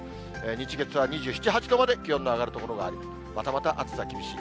日、月は２７、８度まで気温の上がる所があり、またまた暑さ厳しい。